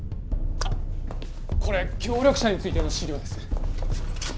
あっこれ協力者についての資料です。